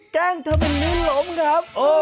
แก้งทำให้มิ้นหลมครับ